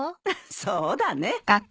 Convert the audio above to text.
そうだね。